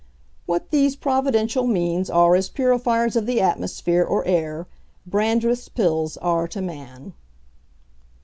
"What these Providential means are as purifiers of the Atmosphere or Air, Brandreth's Pills are to man."